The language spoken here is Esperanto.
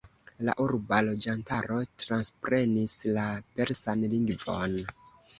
La urba loĝantaro transprenis la persan lingvon.